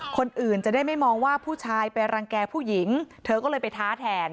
คนอื่นจะได้ไม่มองว่าผู้ชายไปรังแก่ผู้หญิงเธอก็เลยไปท้าแทน